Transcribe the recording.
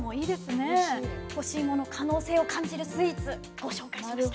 干しいもの可能性を感じるスイーツご紹介しました。